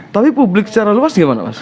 tapi publik secara luas gimana mas